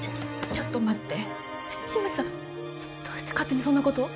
ちょっと待って新町さんどうして勝手にそんなことを？